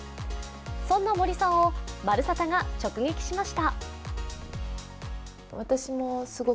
そんな森さんを「まるサタ」が直撃しました。